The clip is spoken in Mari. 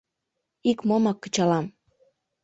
— Икмомак кычалам.